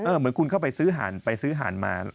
เหมือนคุณเข้าไปซื้อห่านไปซื้อห่านมา